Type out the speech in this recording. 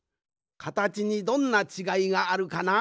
かたちにどんなちがいがあるかな？